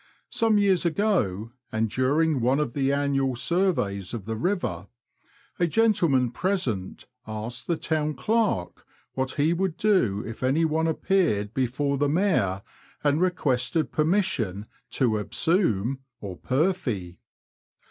Some years ago, and during one of the annual surveys of the river, a gentleman present asked the Town Clerk what he would do if any one appeared before the Mayor and requested permission to absume '* or purfy."